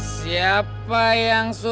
saya tidak tahu